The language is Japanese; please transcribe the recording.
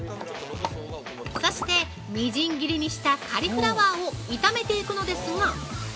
◆そして、みじん切りにしたカリフラワーを炒めていくのですが◆